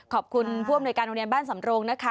ขอบคุณผู้อำนวยการโรงเรียนบ้านสำโรงนะคะ